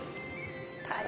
大変。